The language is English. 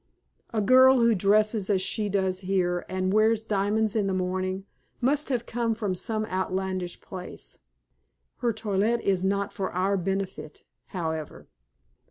A girl who dresses as she does here, and wears diamonds in the morning, must have come from some outlandish place. Her toilette is not for our benefit, however."